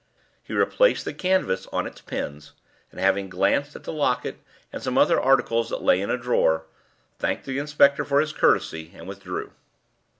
He replaced the canvas on its pins, and having glanced at the locket and some other articles that lay in a drawer, thanked the inspector for his courtesy and withdrew.